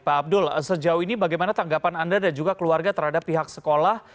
pak abdul sejauh ini bagaimana tanggapan anda dan juga keluarga terhadap pihak sekolah